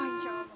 ya insya allah